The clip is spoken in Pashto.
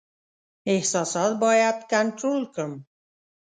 احساسات باید کنټرول کړم.